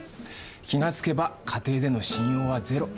気がつけば家庭での信用はゼロ。